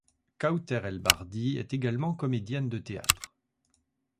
Kawther El Bardi est également comédienne de théâtre.